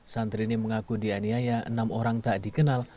santri ini mengaku dianiaya enam orang tak dikenal